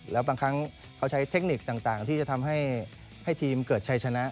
แล้วบางครั้งเขาใช้เทคนิคต่างที่จะทำให้ทีมเกิดชัยชนะ